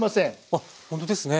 あっほんとですね。